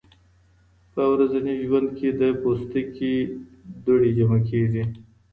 په ورځني ژوند کې د پوستکي دوړې جمع کېږي.